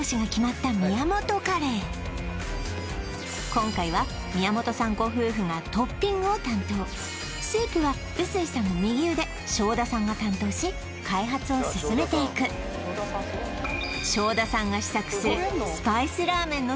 今回は宮本さんご夫婦がトッピングを担当スープは臼井さんの右腕庄田さんが担当し開発を進めていく庄田さんが試作する